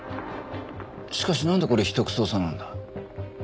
しかしなんでこれ秘匿捜査なんだ？